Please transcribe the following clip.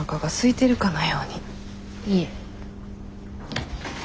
いえ。